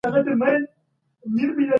حکومتونه ولي نړیوالي اړیکي پراخوي؟